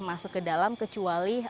masuk ke dalam kecuali